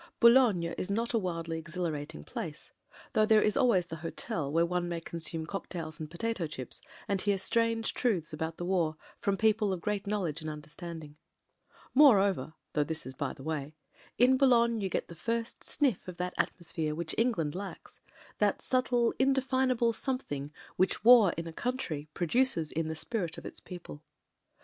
Boulogne is not a wildly exhilarating place; though there is always the hotel where one may con sume cocktails and potato chips, and hear strange truths about the war from people of great knowledge and tmderstanding. Moreover — though this is by the way — in Boulogne you get the first sniff of that atmosphere which Eng land lacks; that subtle, indefinable something which war in a coimtry produces in the spirit of its peo ple. ..